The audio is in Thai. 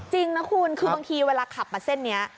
จริงนะคุณคือบางทีเวลาขับมาเส้นนี้